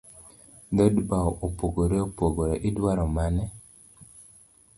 Dhood bau opogore opogore, idua mane?